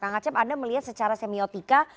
kang acep anda melihat secara semiotika